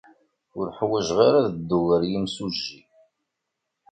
Ur ḥwajeɣ ara ad dduɣ ɣer yimsujji.